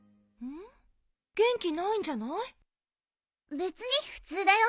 別に普通だよ。